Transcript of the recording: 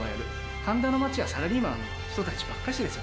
神田の街はサラリーマンの人たちばっかしですよ。